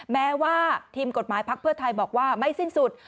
แม้ว่าทีมกฎหมายพักเพื่อไทยบอกว่าไม่สิ้นสุด